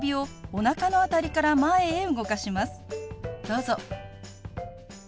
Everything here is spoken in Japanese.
どうぞ。